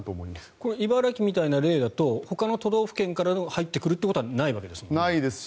これ、茨城みたいな例だとほかの都道府県から入ってくるということはないわけですもんね。